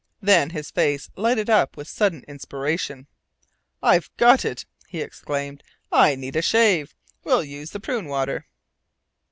Then his face lighted up with sudden inspiration. "I've got it!" he exclaimed. "I need a shave! We'll use the prune water."